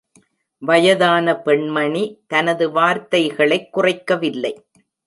வயதான பெண்மணி தனது வார்த்தைகளைக் குறைக்கவில்லை.